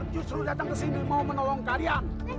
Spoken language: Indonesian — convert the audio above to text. bapak mayor datang ke sini mau menolong karya